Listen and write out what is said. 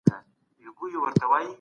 ذهني فشار د کار کیفیت کموي.